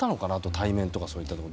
対面とかそういった部分。